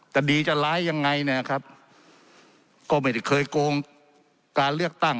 จะดีจะร้ายยังไงเนี่ยครับก็ไม่ได้เคยโกงการเลือกตั้ง